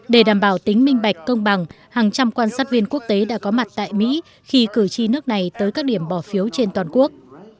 để đảm bảo tính minh bạch công bằng hàng trăm quan sát viên quốc tế đã có mặt tại mỹ khi cử tri nước này tới các điểm bỏ phiếu trên toàn quốc